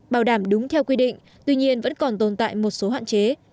bảo đảm đúng theo quy định tuy nhiên vẫn còn tồn tại một số hạn chế